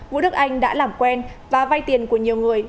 vũ đức anh đã làm quen và vay tiền của nhiều người